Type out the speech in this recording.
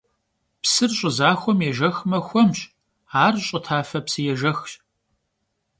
Psır ş'ı zaxuem yêjjexme xuemş, ar ş'ı tafe psıêjjexş.